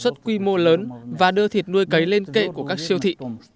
sản xuất quy mô lớn và đưa thịt nuôi cấy lên kệ của các siêu thị